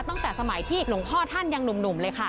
ตั้งแต่สมัยที่หลวงพ่อท่านยังหนุ่มเลยค่ะ